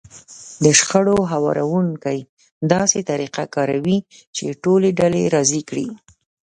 د شخړو هواروونکی داسې طريقه کاروي چې ټولې ډلې راضي کړي.